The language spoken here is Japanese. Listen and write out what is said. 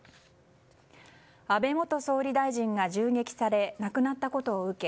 安倍元総理大臣が銃撃され亡くなったことを受け